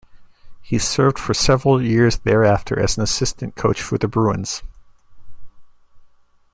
He served for several years thereafter as an assistant coach for the Bruins.